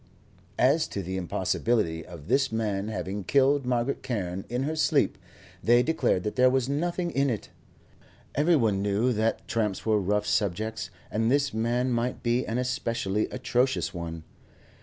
As to the impossibility of this man having killed Margaret Carne in her sleep, they declared that there was nothing in it. Every one knew that tramps were rough subjects, and this man might be an especially atrocious one.